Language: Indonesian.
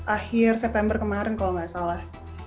akhir september kemarin kalau nggak salah